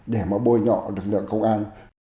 để mà bôi nhỏ lực lượng công an